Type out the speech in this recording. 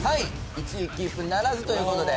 １位キープならずという事で。